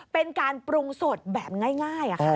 เป็นการปรุงสดแบบง่าย